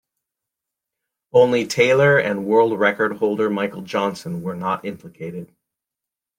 Only Taylor and world record holder Michael Johnson were not implicated.